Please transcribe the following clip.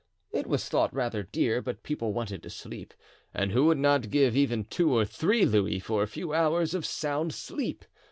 It was thought rather dear, but people wanted to sleep, and who would not give even two or three louis for a few hours of sound sleep?